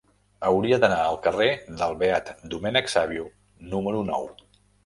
Hauria d'anar al carrer del Beat Domènec Savio número nou.